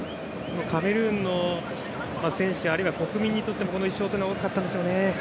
カメルーンの選手あるいは国民にとってもこの１勝は大きかったんでしょうね。